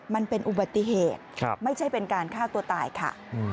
มันเป็นอุบัติเหตุไม่ใช่เป็นการฆ่าตัวตายค่ะ